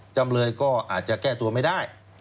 จำเลยก็อาจจะแก้ตัวไม่ได้